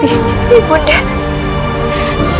lepas itu ibu undang